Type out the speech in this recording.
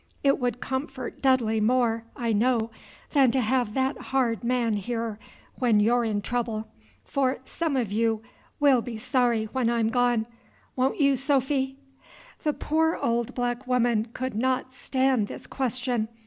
It would comfort Dudley more, I know, than to have that hard man here, when you're in trouble, for some of you will be sorry when I'm gone, won't you, Sophy?" The poor old black woman could not stand this question.